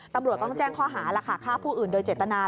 ตำรวจต้องแจ้งข้อหาล่ะค่ะฆ่าผู้อื่นโดยเจตนา